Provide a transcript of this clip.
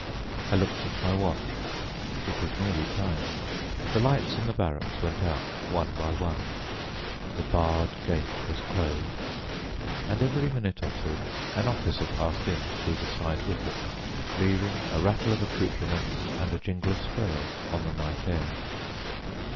I looked at my watch. It was nearly time. The lights in the barracks went out one by one, the barred gate was closed, and every minute or two an officer passed in through the side wicket, leaving a rattle of accoutrements and a jingle of spurs on the night air.